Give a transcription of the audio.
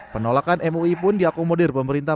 penolakan mui pun diakomodir pemerintah